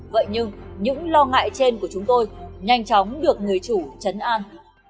vậy nhưng những lo ngại trên của chúng tôi nhanh chóng được người chủ chấn an